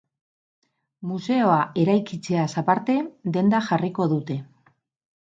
Museoa eraikitzeaz aparte denda jarriko dute.